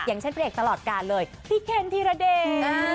อย่างเช่นพระเอกตลอดการเลยพี่เคนธีรเดช